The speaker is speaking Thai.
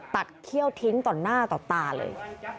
เขี้ยวทิ้งต่อหน้าต่อตาเลย